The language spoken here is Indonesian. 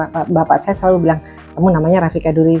tapi papa bapak bapak bapak saya selalu bilang namanya rafika durijmau